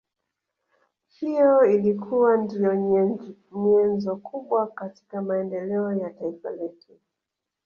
Hiyo ilikuwa ndiyo nyenzo kubwa katika maendeleo ya Taifa letu